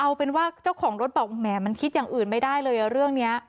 เอาเป็นว่าเจ้าของรถบอกแหมมันคิดอย่างอื่นไม่ได้เลยเรื่องนี้